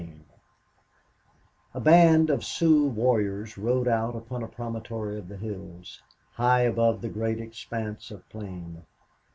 37 A band of Sioux warriors rode out upon a promontory of the hills, high above the great expanse of plain.